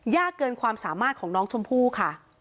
ยากเกินความสามารถของน้องชมพู่ค่ะ